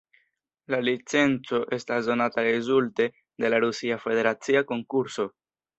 La licenco estas donata rezulte de la rusia federacia konkurso.